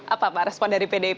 apa pak respon dari pdip